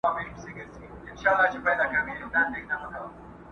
شرمنده ټول وزيران او جنرالان وه؛